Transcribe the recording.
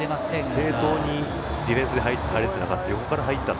正当にディフェンスに入れていなかった。